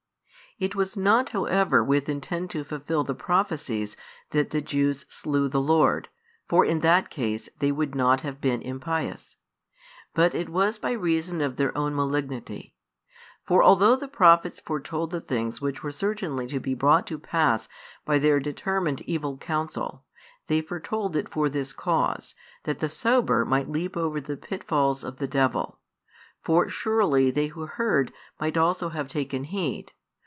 It was not however with intent to fulfil the prophecies that the Jews slew the Lord, for in that case they would |160 not have been impious; but it was by reason of their own malignity. For although the prophets foretold the things which were certainly to be brought to pass by their determined evil counsel, they foretold it for this cause, that the sober might leap over the pitfalls of the devil: for surely they who heard might also have taken heed.